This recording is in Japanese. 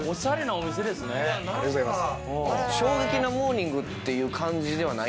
ありがとうございます